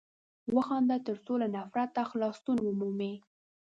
وخانده تر څو له نفرته خلاصون ومومې!